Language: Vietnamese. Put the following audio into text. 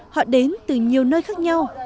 họ đến từ nhiều nơi khác nhau